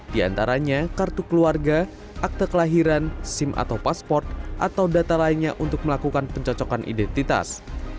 di antaranya kartu keluarga akte kelahiran sim atau pasport atau data lainnya untuk melakukan pencocokan identitas